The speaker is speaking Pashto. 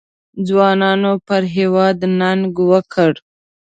ځوانانو پر هېواد ننګ وکړ.